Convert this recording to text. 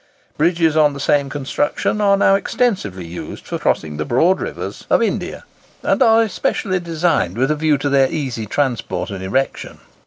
Bridges on the same construction are now extensively used for crossing the broad rivers of India, and are especially designed with a view to their easy transport and erection.